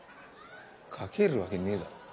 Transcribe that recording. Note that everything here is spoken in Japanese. かけるわけねえだろ。